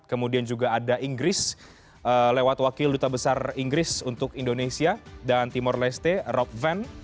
kemudian juga ada inggris lewat wakil duta besar inggris untuk indonesia dan timur leste rock van